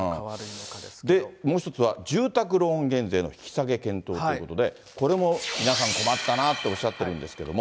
もう一つは、住宅ローン減税の引き下げ検討ということで、これも皆さん、困ったなぁっておっしゃってるんですけれども。